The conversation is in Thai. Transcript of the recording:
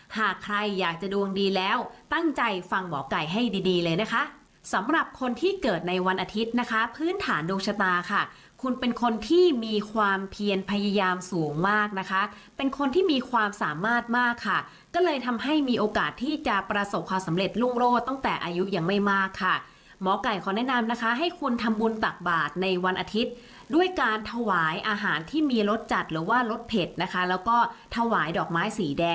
หากใครอยากจะดวงดีแล้วตั้งใจฟังหมอไก่ให้ดีเลยนะคะสำหรับคนที่เกิดในวันอาทิตย์นะคะพื้นฐานดวงชะตาค่ะคุณเป็นคนที่มีความเพียรพยายามสูงมากนะคะเป็นคนที่มีความสามารถมากค่ะก็เลยทำให้มีโอกาสที่จะประสบความสำเร็จรุงโรคตั้งแต่อายุยังไม่มากค่ะหมอไก่ขอแนะนำนะคะให้คุณทำบุญตักบาดในวันอาทิตย์ด้วย